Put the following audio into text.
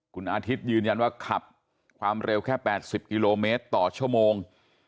คุณอาทิตย์ยืนยันว่าขับความเร็วแค่๘๐กิโลเมตรต่อชั่วโมง